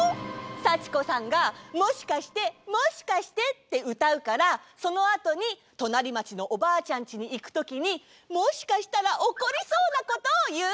幸子さんが「もしかしてもしかして」ってうたうからそのあとにとなりまちのおばあちゃんちにいくときにもしかしたらおこりそうなことをいうんだ。